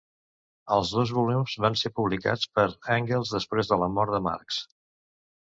Els dos volums van ser publicats per Engels després de la mort de Marx.